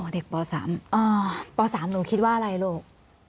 อ๋อเด็กป่อสามอ๋อป่อสามหนูคิดว่าอะไรลูก